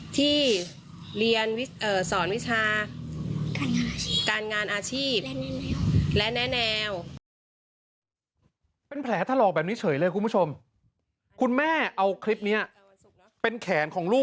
ที่เรียนสอนวิชา